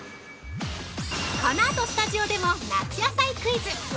この後、スタジオでも夏野菜クイズ！